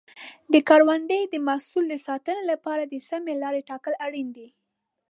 د کروندې د محصول د ساتنې لپاره د سمې لارې ټاکل اړین دي.